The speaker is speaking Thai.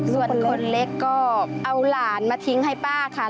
ส่วนคนเล็กก็เอาหลานมาทิ้งให้ป้าค่ะ